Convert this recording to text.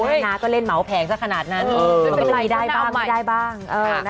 เท่านั้นก็เล่นเหมาแพงสักขนาดนั้นมันก็จะมีได้บ้าง